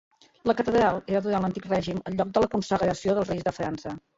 La catedral era, durant l'Antic Règim, el lloc de la consagració dels reis de França.